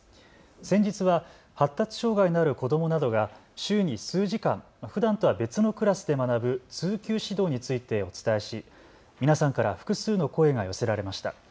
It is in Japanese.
先日は発達障害のある子どもなどが週に数時間ふだんとは別のクラスで学ぶ通級指導についてお伝えし皆さんから複数の声が寄せられました。